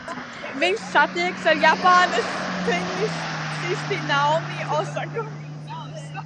Viņš satiekas ar Japānas tenisisti Naomi Osaku.